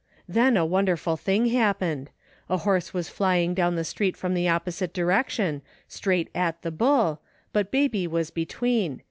Then a wonderful thing happened. A horse was flying down the street from the opposite direction, straight at the bull, but baby was between.